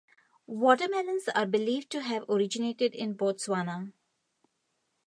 Watermelons are believed to have originated in Botswana.